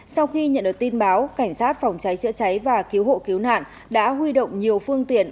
sau khi nhận được tin báo cảnh sát phòng cháy chữa cháy và cứu hộ cứu nạn đã huy động nhiều phương tiện